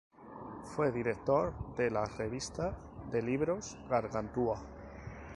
Fue director de la revista de libros "Gargantúa".